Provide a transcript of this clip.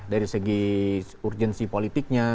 dari segi urgensi politiknya